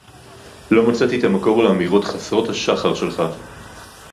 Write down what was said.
לא מצאתי את המקור לאמירות חסרות השחר שלך.